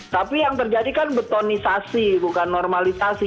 tapi yang terjadi kan betonisasi bukan normalisasi